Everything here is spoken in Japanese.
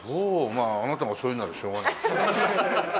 まああなたがそう言うならしょうがない。